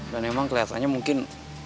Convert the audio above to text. dan emang keliatannya mungkin